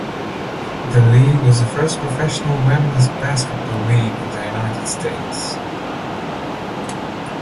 The league was the first professional women's basketball league in the United States.